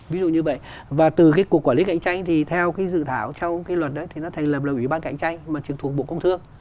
ví dụ như vậy và từ cái cục quản lý cạnh tranh thì theo cái dự thảo trong cái luật đấy thì nó thành lập là ủy ban cạnh tranh mà trực thuộc bộ công thương